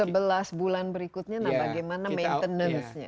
sebelas bulan berikutnya nah bagaimana maintenancenya